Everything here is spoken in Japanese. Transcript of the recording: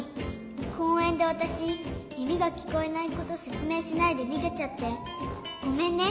こうえんでわたしみみがきこえないことせつめいしないでにげちゃってごめんね。